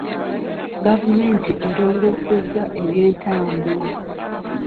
Gavumenti erongoosezza ebyentambula.